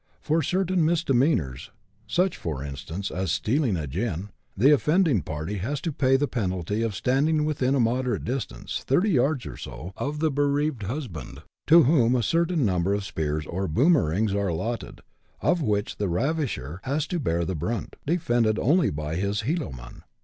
For certain misdemeanours, such, for instance, as stealing a " gin," the offending party has to pay the penalty of standing within a moderate distance, thirty yards or so, of the bereaved husband, to whom a certain number of spears or boomerings are allotted, of which the ravisher has to bear the brunt, defended only by his heeloman.